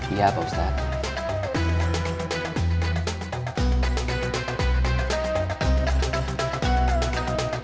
iya pak ustadz